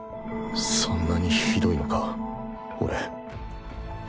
そんなにひどいのか俺